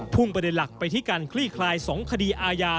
ประเด็นหลักไปที่การคลี่คลาย๒คดีอาญา